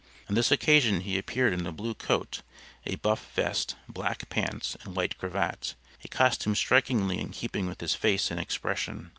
On this occasion he appeared in a blue coat, a buff vest, black pants and white cravat; a costume strikingly in keeping with his face and expression.